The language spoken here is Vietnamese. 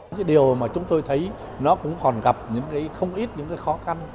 cái điều mà chúng tôi thấy nó cũng còn gặp những cái không ít những cái khó khăn